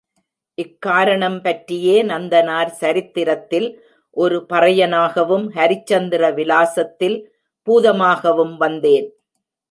இக் காரணம் பற்றியே நந்தனார் சரித்திரத்தில் ஒரு பறையனாகவும், ஹரிச்சந்திர விலாசத்தில் பூதமாகவும் வந்தேன்.